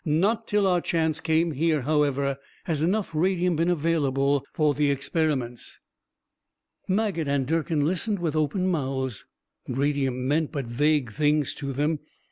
Not till our chance came here, however, has enough radium been available for the experiments." Maget and Durkin listened with open mouths. Radium meant but vague things to them.